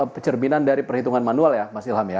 pencerminan dari perhitungan manual ya mas ilham ya